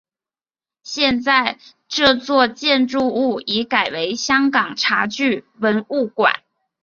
现在这座建筑物已改为香港茶具文物馆。